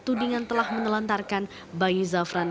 tudingan telah menelantarkan bayi zafran